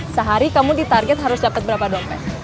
sehari kamu di target harus dapet berapa dompet